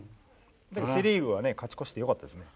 セ・リーグは勝ち越してよかったですね。